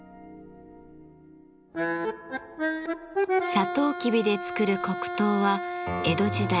サトウキビで作る黒糖は江戸時代